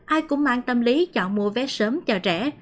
ai cũng mang tâm lý chọn mua vé sớm cho trẻ